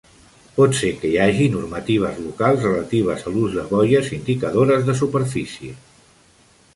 Pot ser que hi hagi normatives locals relatives a l'ús de boies indicadores de superfície.